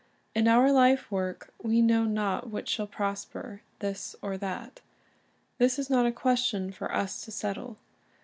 In our life work we know not which shall prosper, this or that. This is not a question for us to settle.